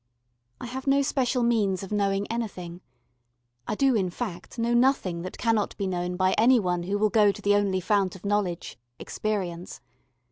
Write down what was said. I have no special means of knowing anything: I do, in fact, know nothing that cannot be known by any one who will go to the only fount of knowledge, experience.